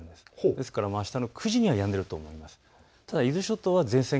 ですからあすの９時にはやんでいると思います。